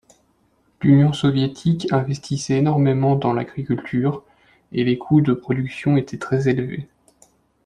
L'Union soviétique investissait énormément dans l'agriculture, et les coûts de production étaient très élevés.